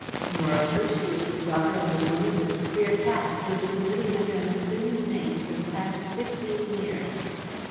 Moreover, she is the daughter of a woman with a queer past, who has been living under an assumed name for the past fifteen years."